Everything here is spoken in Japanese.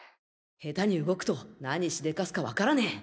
下手に動くと何しでかすかわからねえ。